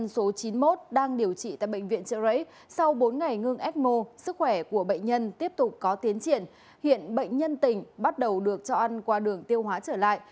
xin chào và hẹn gặp lại